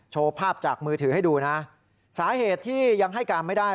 โชว์ภาพจากมือถือให้ดูนะสาเหตุที่ยังให้การไม่ได้